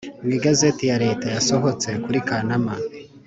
Mu igazeti ya leta yasohotse kuri kanama